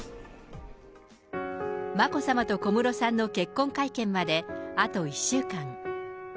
眞子さまと小室さんの結婚会見まで、あと１週間。